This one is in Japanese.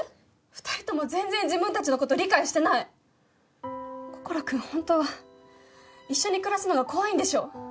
二人とも全然自分達のこと理解してない心君ホントは一緒に暮らすのが怖いんでしょ